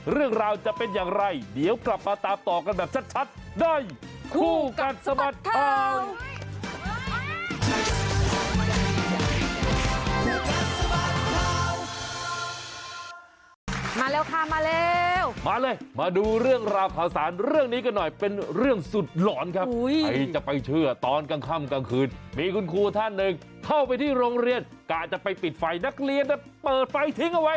เรื่องราวจะเป็นอย่างไรเดี๋ยวกลับมาตามต่อกันแบบชัดได้